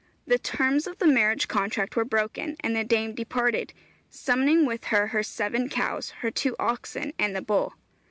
The terms of the marriage contract were broken, and the dame departed, summoning with her her seven cows, her two oxen, and the bull.